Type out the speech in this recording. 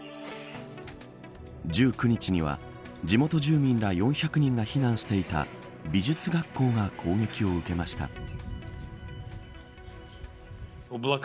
１９日には地元住民ら４００人が避難していた美術学校が攻撃を受けました。